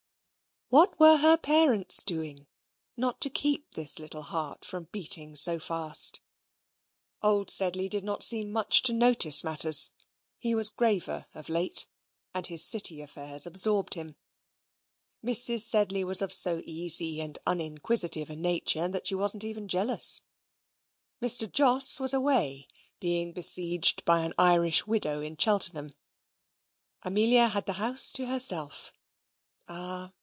What were her parents doing, not to keep this little heart from beating so fast? Old Sedley did not seem much to notice matters. He was graver of late, and his City affairs absorbed him. Mrs. Sedley was of so easy and uninquisitive a nature that she wasn't even jealous. Mr. Jos was away, being besieged by an Irish widow at Cheltenham. Amelia had the house to herself ah!